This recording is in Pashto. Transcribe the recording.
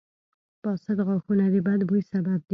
• فاسد غاښونه د بد بوي سبب دي.